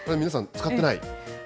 皆さん、使ってない？